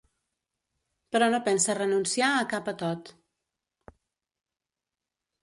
Però no pensa renunciar a cap atot.